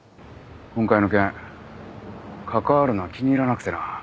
今回の件関わるのは気に入らなくてな。